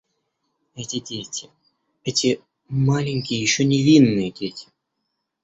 Эти дети, эти маленькие, еще невинные дети.